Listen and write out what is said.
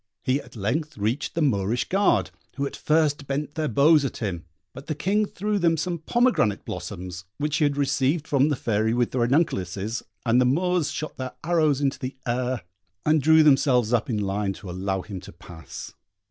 He at length reached the Moorish guard, who at first bent their bows at him, but the King threw them some pomegranate blossoms, which he had received from the Fairy with the ranunculuses, and the Moors shot their arrows into the air, and drew themselves up in line to allow him to pass.